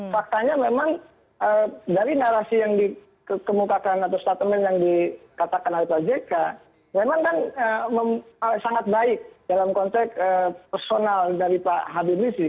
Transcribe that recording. faktanya memang dari narasi yang dikemukakan atau statement yang dikatakan oleh pak jk memang kan sangat baik dalam konteks personal dari pak habib rizik